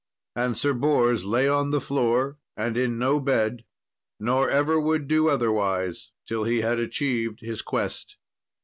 And Sir Bors lay on the floor, and in no bed, nor ever would do otherwise till he had achieved his quest.